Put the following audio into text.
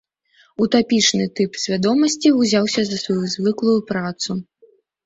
Утапічны тып свядомасці ўзяўся за сваю звыклую працу.